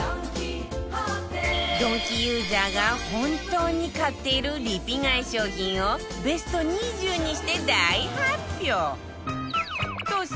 ドンキユーザーが本当に買っているリピ買い商品をベスト２０にして大発表！